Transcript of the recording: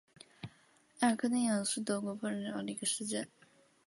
埃尔克内尔是德国勃兰登堡州的一个市镇。